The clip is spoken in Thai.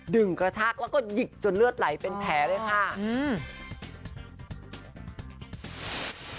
ดึงกระชากแล้วก็หยิกจนเลือดไหลเป็นแผล